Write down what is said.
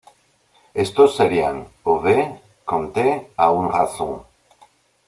Estos serían: "Aube", "Conte" y "À une Raison".